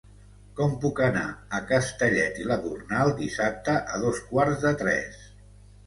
Com puc anar a Castellet i la Gornal dissabte a dos quarts de tres?